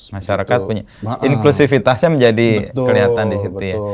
masyarakat punya inklusifitasnya menjadi kelihatan di situ ya